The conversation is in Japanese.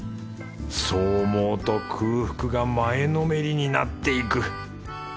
そう思うと空腹が前のめりになっていく！